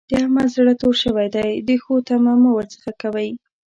د احمد زړه تور شوی دی؛ د ښو تمه مه ور څځه کوئ.